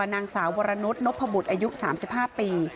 นางสาววรนุษย์นพบุตรอายุ๓๕ปี